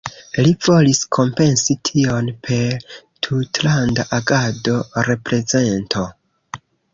Li volis kompensi tion per tutlanda agado, reprezento.